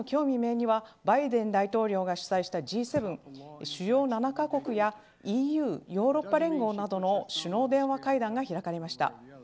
未明にはバイデン大統領が主催したＧ７主要７カ国やＥＵヨーロッパ連合などの首脳電話会談が開かれました。